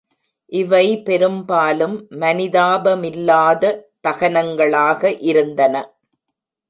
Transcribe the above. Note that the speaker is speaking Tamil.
இவை பெரும்பாலும் மனிதாபமில்லாத தகனங்களாக இருந்தன.